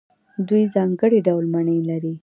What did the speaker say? دوی ځانګړي ډول مڼې لري.